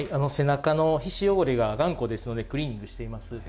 背中の皮脂汚れが頑固ですので、クリーニングしています。